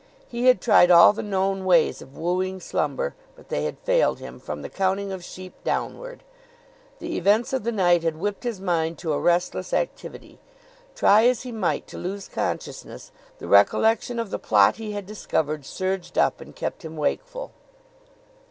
He had tried all the known ways of wooing slumber, but they had failed him, from the counting of sheep downward. The events of the night had whipped his mind to a restless activity. Try as he might to lose consciousness, the recollection of the plot he had discovered surged up and kept him wakeful.